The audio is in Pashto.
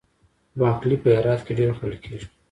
باقلي په هرات کې ډیر خوړل کیږي.